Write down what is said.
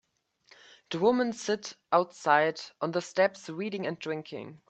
The women sit outside on the steps reading and drinking.